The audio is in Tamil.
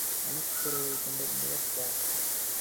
அணுக்கருவைக் கண்டறிந்தவர் யார்?